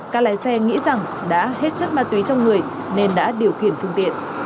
các lái xe nghĩ rằng đã hết chất ma túy trong người nên đã điều khiển phương tiện